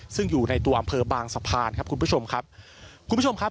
ซึ่งอยู่ในตัวอำเภอบางสะพานครับคุณผู้ชมครับ